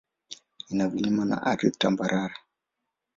Ina vilima na ardhi tambarare.